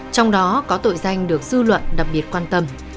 trong đó có tội danh được dư luận đặc biệt quan tâm